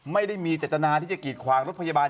ไม่ได้มีเจตนาที่จะกีดขวางรถพยาบาล